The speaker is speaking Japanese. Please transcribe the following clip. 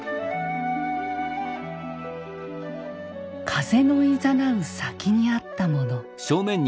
風のいざなう先にあったもの。